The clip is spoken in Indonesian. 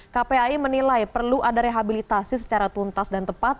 kpai menilai perlu ada rehabilitasi secara tuntas dan tepat